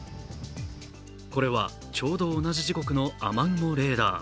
これはちょうど同じ時刻の雨雲レーダー。